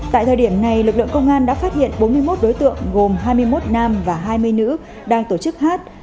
tại thời điểm này lực lượng công an đã phát hiện bốn mươi một đối tượng gồm hai mươi một nam và hai mươi nữ đang tổ chức hát